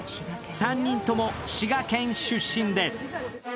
３人とも滋賀県出身です。